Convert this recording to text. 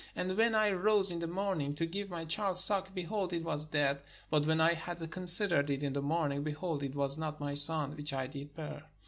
And" when I rose in the morning to give my child suck, behold, it was dead : but when I had considered it in the morning, behold, it was not my son, which I did bear."